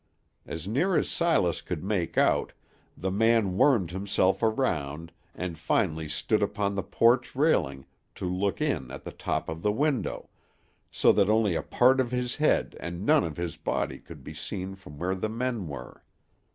As near as Silas could make out, the man wormed himself around, and finally stood upon the porch railing to look in at the top of the window; so that only a part of his head and none of his body could be seen from where the men were.